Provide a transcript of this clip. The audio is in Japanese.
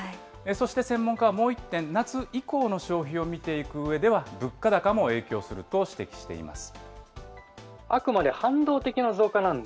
そして専門家はもう一点、夏以降の消費を見ていくうえでは、物価高も影響すると指摘しています。